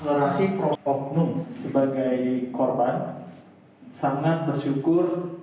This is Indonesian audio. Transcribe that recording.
sebagai korban sangat bersyukur